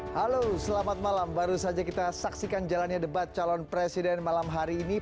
halo selamat malam baru saja kita saksikan jalannya debat calon presiden malam hari ini